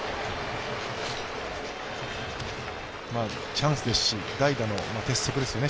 チャンスですし、代打の鉄則ですよね。